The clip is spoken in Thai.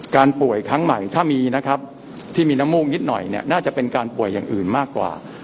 ป่วยครั้งใหม่ถ้ามีนะครับที่มีน้ำมูกนิดหน่อยเนี่ยน่าจะเป็นการป่วยอย่างอื่นมากกว่า